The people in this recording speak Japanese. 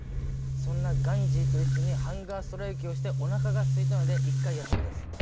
そんなガンジーといっしょにハンガーストライキをしておなかがすいたので１回休みです。